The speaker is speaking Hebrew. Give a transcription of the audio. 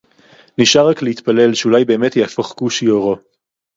נשאר רק להתפלל שאולי באמת יהפוך כושי עורו